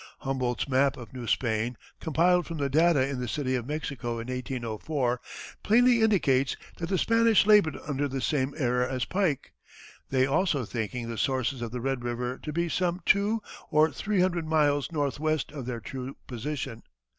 Humboldt's map of New Spain, compiled from data in the City of Mexico in 1804, plainly indicates that the Spanish labored under the same error as Pike, they also thinking the sources of the Red River to be some two or three hundred miles northwest of their true position.